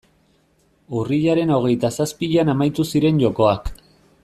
Urriaren hogeita zazpian amaitu ziren jokoak.